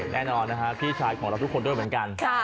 แน่นอนนะฮะพี่ชายของเราทุกคนด้วยเหมือนกัน